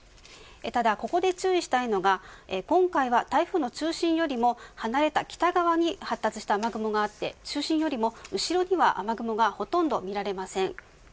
ただここで注意したいのが今回は台風の中心よりも離れた北側に発達した雨雲があって中心よりも後ろには雨雲がほとんど見られません。